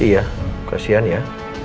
iya kasihan ya